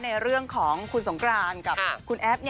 ในเรื่องของคุณสงกรานกับคุณแอฟ